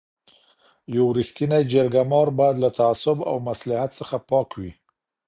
یو رښتینی جرګه مار باید له تعصب او مصلحت څخه پاک وي.